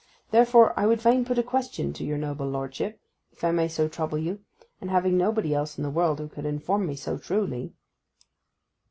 Therefore I would fain put a question to your noble lordship, if I may so trouble you, and having nobody else in the world who could inform me so trewly.